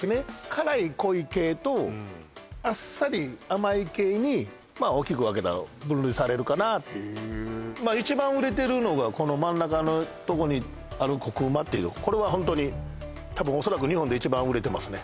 辛い濃い系とあっさり甘い系に大きく分けたら分類されるかな一番売れてるのがこの真ん中のとこにある「こくうま」っていうこれはホントに多分恐らく日本で一番売れてますね